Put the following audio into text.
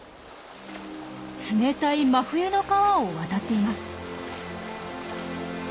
冷たい真冬の川を渡っています。